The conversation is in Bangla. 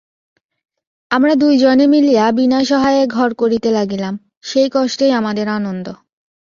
আমরা দুই জনে মিলিয়া বিনা সহায়ে ঘর করিতে লাগিলাম, সেই কষ্টেই আমাদের আনন্দ।